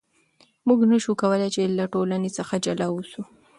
موږ نشو کولای له ټولنې څخه جلا اوسو.